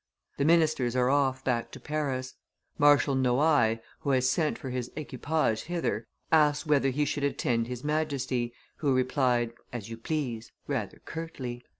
The ministers are off back to Paris. Marshal Noailles, who has sent for his equipage hither, asked whether he should attend his Majesty, who replied, 'As you please,' rather curtly.